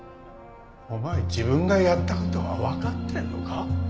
お前自分がやった事がわかってるのか？